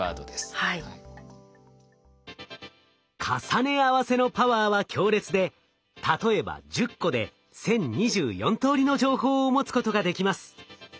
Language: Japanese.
重ね合わせのパワーは強烈で例えば１０個で１，０２４通りの情報を持つことができます。